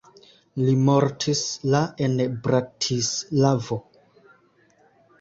Li mortis la en Bratislavo.